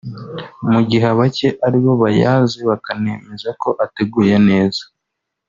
mu gihe abake ari bo bayazi bakanemeza ko ateguye neza